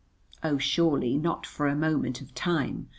Oh, surely not for a moment of time.